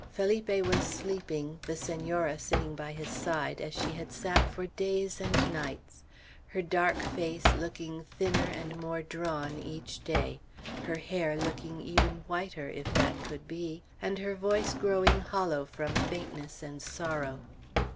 Felipe was sleeping, the Senora sitting by his side, as she had sat for days and nights, her dark face looking thinner and more drawn each day; her hair looking even whiter, if that could be; and her voice growing hollow from faintness and sorrow.